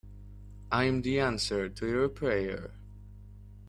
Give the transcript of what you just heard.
I'm the answer to your prayer.